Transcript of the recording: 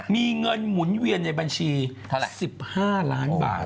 มีเงินหมุนเวียนในบัญชีทั้งแหละสิบห้าล้านบาทอุ้ยโอ้